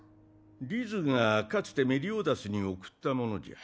リズがかつてメリオダスに贈ったものじゃ。